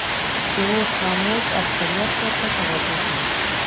چې اوس خاموش اکثریت ورته توجه کوي.